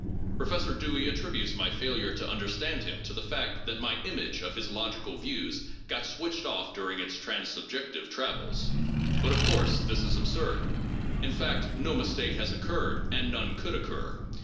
Professor Dewey attributes my failure to understand him to the fact No. 4.] DISCUSSION. 423 that my image of his logical views got switched off during its trans subjective travels. But of course this is absurd. In fact no mistake has occurred, and none could occur.